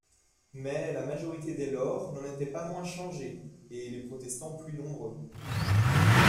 Mais la majorité dès lors n'en était pas moins changée, et les protestants plus nombreux.